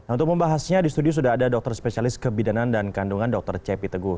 untuk membahasnya di studio sudah ada dokter spesialis kebidanan dan kandungan dr cepi teguh